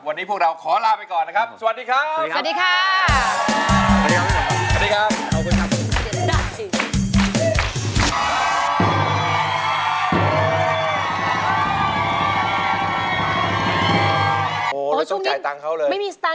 วันนี้พวกเราขอลาไปก่อนนะครับสวัสดีครับ